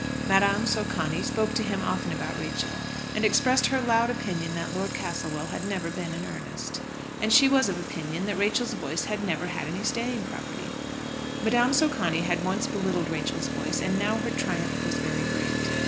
Madame Socani spoke to him often about Rachel, and expressed her loud opinion that Lord Castlewell had never been in earnest. And she was of opinion that Rachel's voice had never had any staying property. Madame Socani had once belittled Rachel's voice, and now her triumph was very great.